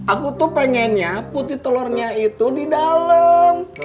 aku tuh pengennya putih telurnya itu di dalam